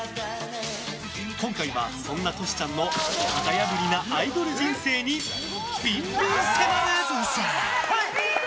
今回は、そんなトシちゃんの型破りなアイドル人生にびんびん迫る！